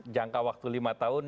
jangka waktu lima tahun